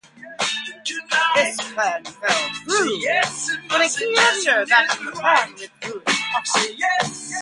This plan fell through when a key lender backing the plan withdrew its offer.